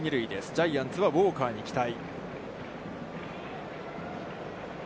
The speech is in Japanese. ジャイアンツはウォーカーに期待。